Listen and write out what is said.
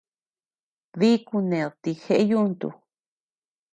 Dí kuned ti jeʼe yuntu.